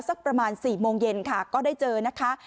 สักประมาณ๔โมงเย็นค่ะก็ได้เจอนะคะ